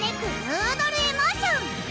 ヌードル・エモーション！